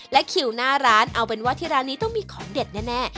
และคิวหน้าร้านเอาเป็นว่าที่ร้านนี้ต้องมีของเด็ดแน่